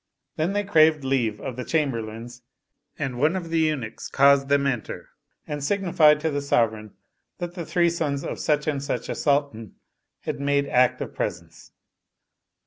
Then tfiey craved leave of the Chamberlains, and one of the Eunuchs caused them enter and signified to the sovereign that the three sons of Such an such a Sultan had made act of presence.